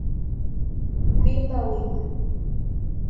Kwimba wima